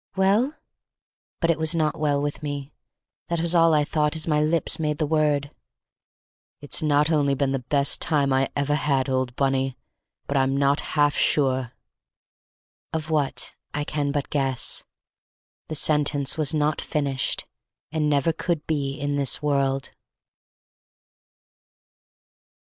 "Well?" But it was not well with me; that was all I thought as my lips made the word. "It's not only been the best time I ever had, old Bunny, but I'm not half sure—" Of what I can but guess; the sentence was not finished, and never could be in this world.